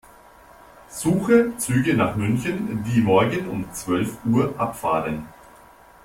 Suche Züge nach München, die morgen um zwölf Uhr abfahren.